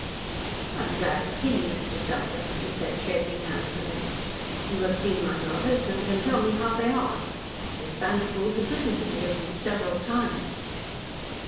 "I am glad to see you, Mr. Selden," he said, shaking hands with him. "You have seen my daughters, and can tell me how they are. Miss Vanderpoel has written to me of you several times."